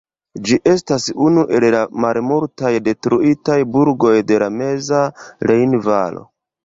Ĝi estas unu el la malmultaj detruitaj burgoj de la meza rejnvalo.